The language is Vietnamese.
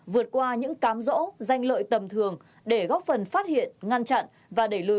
vượt qua những cám rỗ danh lợi tầm thường để góp phần phát hiện ngăn chặn và đẩy lùi